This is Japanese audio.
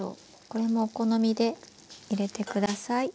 これもお好みで入れて下さい。